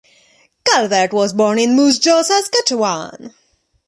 Calvert was born in Moose Jaw, Saskatchewan.